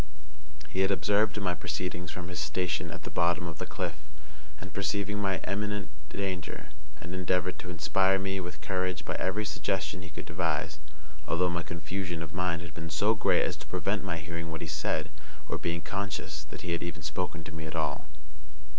He had observed my proceedings from his station at the bottom of the cliff; and perceiving my imminent danger, had endeavored to inspire me with courage by every suggestion he could devise; although my confusion of mind had been so great as to prevent my hearing what he said, or being conscious that he had even spoken to me at all.